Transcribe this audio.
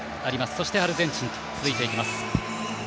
そして、アルゼンチンと続いていきます。